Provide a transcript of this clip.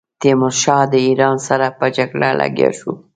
تیمورشاه د ایران سره په جګړه لګیا شو.